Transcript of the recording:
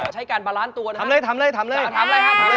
ใช้การบาลานซ์ตัวนะฮะทำเลยทำเลย